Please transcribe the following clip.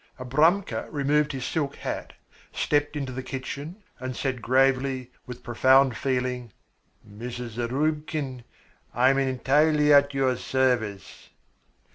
Abramka removed his silk hat, stepped into the kitchen, and said gravely, with profound feeling: "Mrs. Zarubkin, I am entirely at your service."